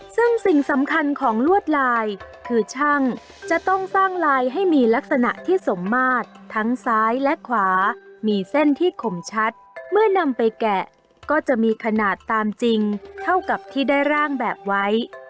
ซึ่งสิ่งสำคัญของลวดลายคือช่างจะต้องสร้างลายให้มีลักษณะที่สมมาตรทั้งซ้ายและขวามีเส้นที่ขมชัดเมื่อนำไปแกะก็จะมีขนาดตามจริงเท่ากับที่ได้ร่างแบบไว้